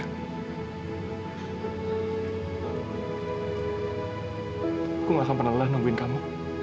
aku gak akan pernah lelah nungguin kamu